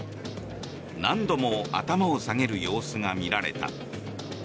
何度も頭を下げる様子が見られた。